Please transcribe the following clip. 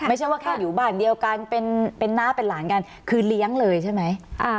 ไม่ใช่ว่าแค่อยู่บ้านเดียวกันเป็นน้าเป็นหลานกันคือเลี้ยงเลยใช่ไหม